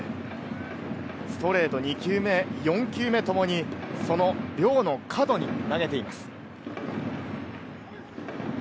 ストレート、２球目、４球目ともにその両の角に投げています。